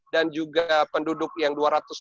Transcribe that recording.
dan juga penduduk yang